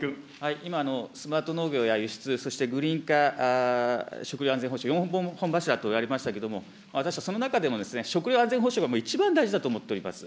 今のスマート農業や、輸出、そしてグリーン化、食料安全保障、４本柱と言われましたけれども、私はその中でも食料安全保障が一番大事だと思っております。